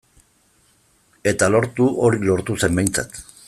Eta lortu, hori lortu zen behintzat.